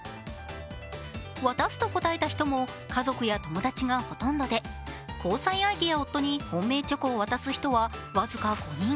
渡すと答えた人も、家族や友達がほとんどで、交際相手や夫に本命チョコを渡す人は僅か５人。